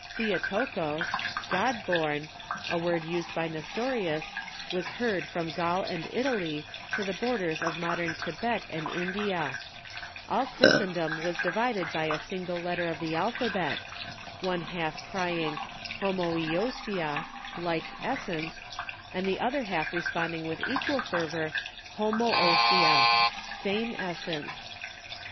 ^^ T/wotokos^'' — "God born" — a word used by Nestorius, was heard from Gaul and Italy to the borders of modern Thibet and India. All Christendom was divided by a single letter of the alphabet, THE LATER COJfTKOVERSIES 5.3 one half crying "Homoiousia" (like essence), aixl the other half resi^onding with equal fervor, " Ilonioousia" (same es sence).